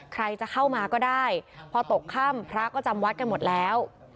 ใครจะเข้ามาก็ได้พอตกค่ำพระก็จำวัดกันหมดแล้ว